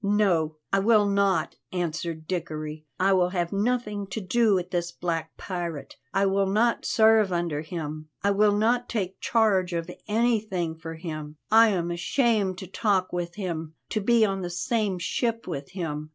"No, I will not," answered Dickory. "I will have nothing to do with this black pirate; I will not serve under him, I will not take charge of anything for him. I am ashamed to talk with him, to be on the same ship with him.